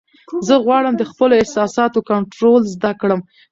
زه غواړم د خپلو احساساتو کنټرول زده کړم.